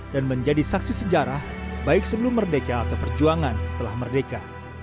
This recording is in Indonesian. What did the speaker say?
dan menjadi saksi sejarah baik sebelum merdeka atau perjuangan setelah merdeka